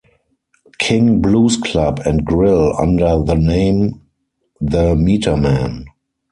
King Blues Club and Grill under the name The Metermen.